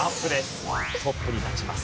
トップに立ちます。